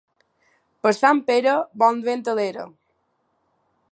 Per Sant Pere, bon vent a l'era.